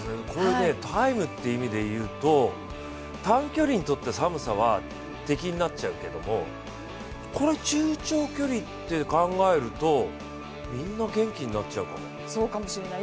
タイムって意味で言うと、短距離にとって寒さは敵になっちゃうけどこれ中長距離って考えると、みんな元気になっちゃうかも。